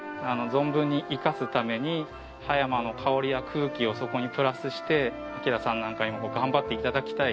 存分に生かすために葉山の香りや空気をそこにプラスして晶さんなんかにもこう頑張って頂きたい。